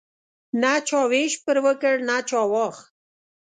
نه چا ویش پر وکړ نه چا واخ.